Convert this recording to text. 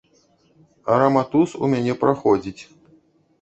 А раматус у мяне праходзіць.